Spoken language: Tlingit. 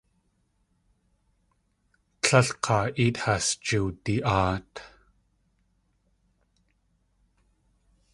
Tlél k̲aa éet has jiwda.aat.